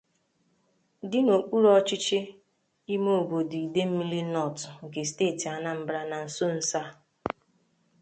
dị n'okpuru ọchịchị ime obodo 'Idemili North' nke steeti Anambra na nsonsoa.